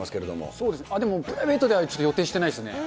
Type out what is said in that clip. そうですね、でもプライベートではちょっと予定してないですね。